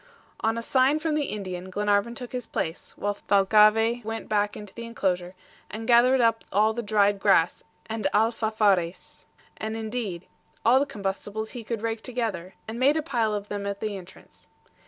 On a sign from the Indian Glenarvan took his place, while Thalcave went back into the inclosure and gathered up all the dried grass and ALFAFARES, and, indeed, all the combustibles he could rake together, and made a pile of them at the entrance.